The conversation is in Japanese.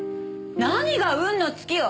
何が運の尽きよ。